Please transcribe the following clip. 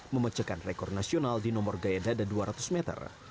memecahkan rekor nasional di nomor gaya dada dua ratus meter